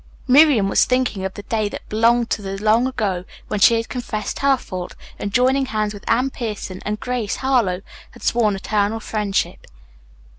Miriam was thinking of the day that belonged to the long ago when she had confessed her fault, and, joining hands with Anne Pierson and Grace Harlowe, had sworn eternal friendship.